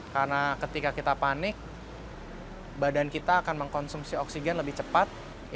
karena ketika kita panik badan kita akan mengkonsumsi oksigen lebih cepat